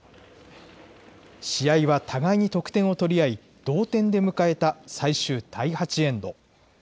試合は互いに得点を取り合い、同点で迎えた最終第８エンド。